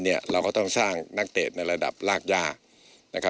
เราก็ต้องสร้างนักเตะในระดับรากยาก